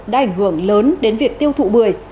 đã ảnh hưởng lớn đến việc tiêu thụ bưởi